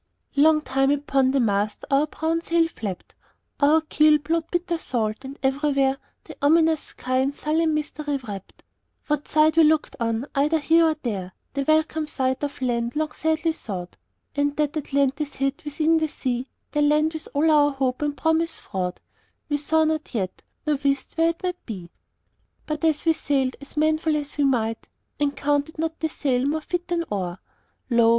"Long time upon the mast our brown sail flapped; Our keel plowed bitter salt, and everywhere The ominous sky in sullen mystery wrapped, What side we looked on, either here or there, The welcome sight of land long sadly sought; And that Atlantis, hid within the sea, The land with all our hope and promise fraught, We saw not yet, nor wist where it might be. "But as we sailed as manful as we might, And counted not the sail more fit than oar, Lo!